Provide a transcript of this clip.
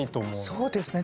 そうですね